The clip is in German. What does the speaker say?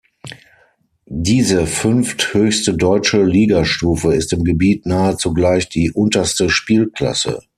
Diese fünfthöchste deutsche Ligastufe ist im Gebiet Nahe zugleich die unterste Spielklasse.